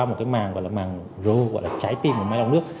một cái màng gọi là màng ro gọi là trái tim của máy lọc nước